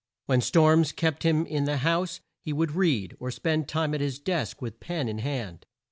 When storms kept him in the house, he would read, or spend the time at his desk with pen in hand.